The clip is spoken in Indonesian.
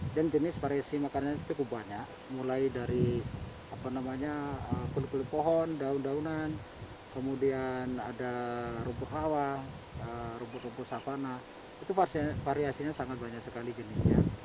dan jenis variasi makannya cukup banyak mulai dari kulit kulit pohon daun daunan kemudian ada rumput hawa rumput rumput sapana itu variasinya sangat banyak sekali jenisnya